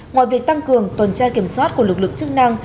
ngoài việc tăng cường tuần tra kiểm soát của lực lượng chức năng